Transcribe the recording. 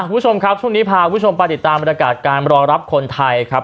คุณผู้ชมครับช่วงนี้พาคุณผู้ชมไปติดตามบรรยากาศการรอรับคนไทยครับ